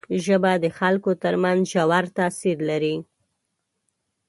ژبه د خلکو تر منځ ژور تاثیر لري